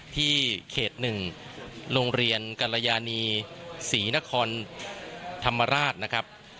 ที่เขต๑โรงเรียนกรยานีศรีนครธรรมราชนะครับ